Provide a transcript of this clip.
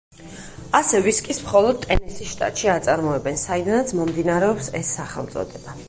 ასე ვისკის მხოლოდ ტენესის შტატში აწარმოებენ, საიდანაც მომდინარეობს ეს სახელწოდება.